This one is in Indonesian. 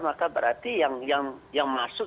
maka berarti yang masuk